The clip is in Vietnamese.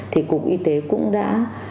thì cục y tế cũng đã